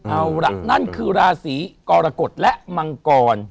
เอาล่ะนั่นคือราศีกรกฎและมังกร